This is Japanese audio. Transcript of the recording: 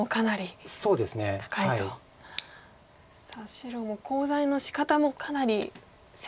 白もコウ材のしかたもかなり繊細に。